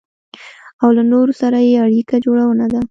او له نورو سره يې اړيکه جوړونه ده.